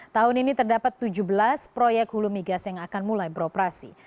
tahun ini terdapat tujuh belas proyek hulu migas yang akan mulai beroperasi